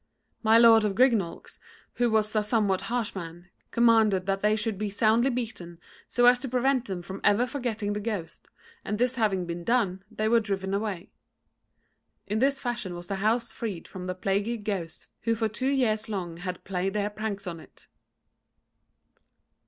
My Lord of Grignaulx, who was a somewhat harsh man, commanded that they should be soundly beaten so as to prevent them from ever forgetting the ghost, and this having been done, they were driven away. In this fashion was the house freed from the plaguy ghosts who for two years long had played their pranks in it.